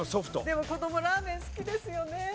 でも子供ラーメン好きですよね。